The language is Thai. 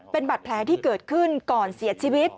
เป็นบัตรแผลที่เกิดขึ้นก่อนเสียชีวิต